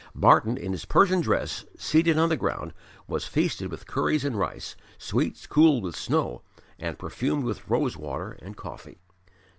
Martyn in his Persian dress, seated on the ground, was feasted with curries and rice, sweets cooled with snow and perfumed with rose water, and coffee.